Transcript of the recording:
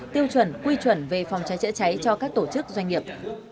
tiêu chuẩn quy chuẩn về phòng cháy chữa cháy cho các tổ chức doanh nghiệp